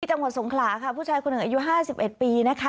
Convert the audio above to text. ที่จังหวัดสงขลาค่ะผู้ชายคนหนึ่งอายุห้าสิบเอ็ดปีนะคะ